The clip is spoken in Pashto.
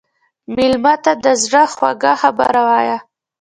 مېلمه ته د زړه خوږه خبره وایه.